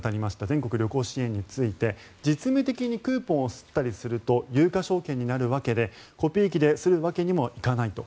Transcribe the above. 全国旅行支援について実務的にクーポンを刷ったりすると有価証券になるわけでコピー機で刷るわけにもいかないと。